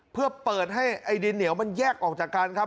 เพื่อเปิดให้ไอ้ดินเหนียวมันแยกออกจากกันครับ